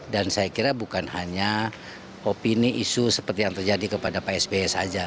dan saya kira bukan hanya opini isu seperti yang terjadi kepada pak sby saja